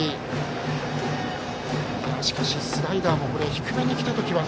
しかし、スライダーも低めにきた時は